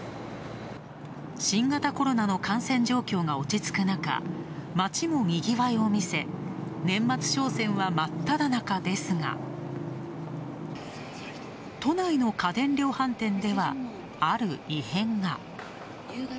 新型コロナの感染状況が落ち着く中、街もにぎわいを見せ、年末商戦は真っ只中ですが、都内の家電量販店では、ある異変が。